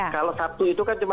kalau sabtu itu kan cuma